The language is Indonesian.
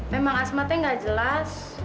memang asmatnya gak jelas